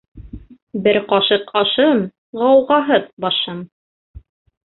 Бер ҡашыҡ ашым, ғауғаһыҙ башым.